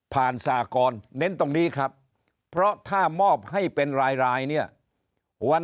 สากรเน้นตรงนี้ครับเพราะถ้ามอบให้เป็นรายเนี่ยวัน